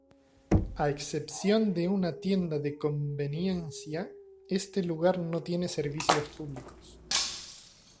A excepción de una tienda de conveniencia, este lugar no tiene servicios públicos.